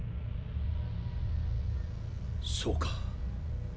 そうか。